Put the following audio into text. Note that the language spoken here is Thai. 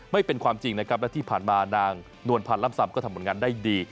ไม่เป็นความจริงนะครับและที่ผ่านมานางนวลพันธ์ล่ำซำก็ทำผลงานได้ดี